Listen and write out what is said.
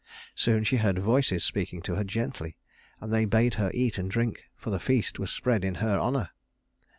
Soon she heard voices speaking to her gently, and they bade her eat and drink, for the feast was spread in her honor.